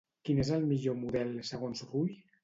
Quin és el millor model, segons Rull?